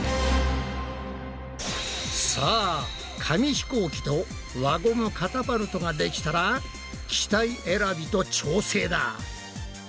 さあ紙ひこうきと輪ゴムカタパルトができたら機体選びと調整だ！